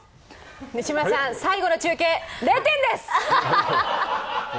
西村さん、最後の中継、０点です！